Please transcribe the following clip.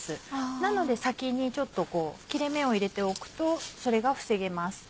なので先にちょっと切れ目を入れておくとそれが防げます。